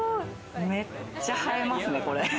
めっちゃ映えますね。